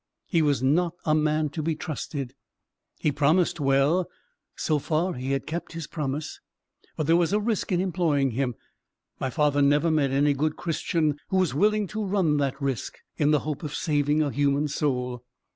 He was not a man to be trusted. He promised well: so far he had kept his promise: but there was a risk in employing him. My father never met any good Christian who was willing to run that risk, in the hope of saving a human soul.